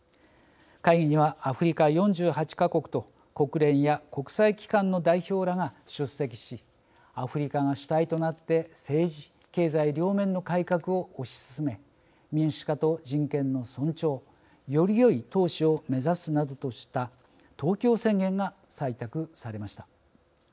会議にはアフリカ４８か国の代表と国連や国際機関の代表らが出席しアフリカが主体となって政治・経済両面の改革を推し進め民主化と人権の尊重よりよい統治を目指すなどとした東京宣言が採択されました。